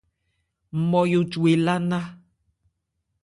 Nmɔyo cu elá nná.